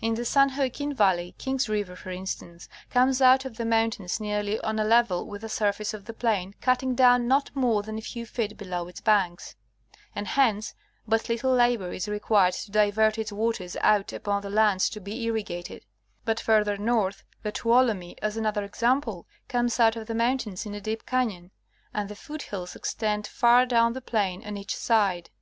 In the San Joaquin valley. King's river, for instance, comes out of the mountains nearly on a level with the surface of the plain, cutting down not more than a few feet below its banks ; and hence but little labor is required to divert its waters out upon the lands to be irrigated ; but farther north, the Tuolumne, as another example, comes out of the mountains in a deep canon, and the foot hills extend far down the plain on each side.